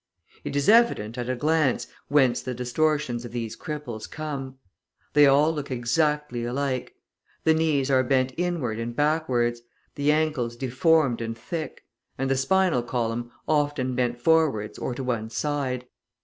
It is evident, at a glance, whence the distortions of these cripples come; they all look exactly alike. The knees are bent inward and backwards, the ankles deformed and thick, and the spinal column often bent forwards or to one side.